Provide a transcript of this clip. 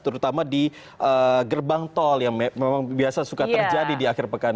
terutama di gerbang tol yang memang biasa suka terjadi di akhir pekan